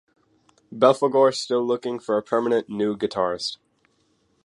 Belphegor still looking for a permanent new guitarist.